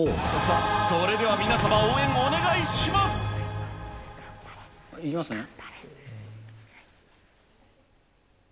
それでは皆様、応援お願いしいきますね。